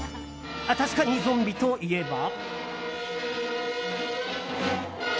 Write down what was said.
確かにゾンビといえば。